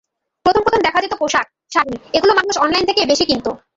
প্রথম প্রথম দেখা যেত পোশাক, শাড়ি—এগুলো মানুষ অনলাইন থেকে বেশি কিনত।